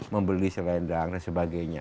membeli selendang dan sebagainya